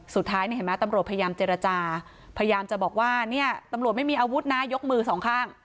สุดท้ายเนี่ยเห็นไหมตำรวจพยายามเจรจาพยายามจะบอกว่าเนี่ยตำรวจไม่มีอาวุธนะยกมือสองข้าง